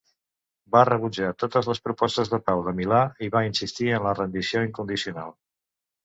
Va rebutjar totes les propostes de pau de Milà, i va insistir en la rendició incondicional.